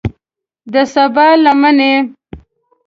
د سبا لمنې